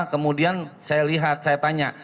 kemudian saya lihat saya tanya